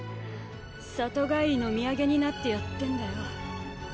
里帰りの土産になってやってんだよ。